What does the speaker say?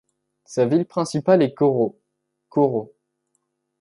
Sa ville principale est Coro Coro.